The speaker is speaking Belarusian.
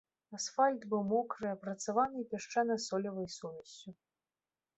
Асфальт быў мокры, апрацаваны пясчана-солевай сумессю.